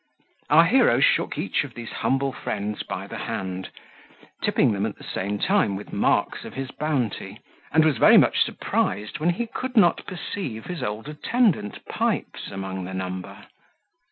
Our hero shook each of these humble friends by the hand, tipping them at the same time with marks of his bounty; and was very much surprised when he could not perceive his old attendant Pipes among the number.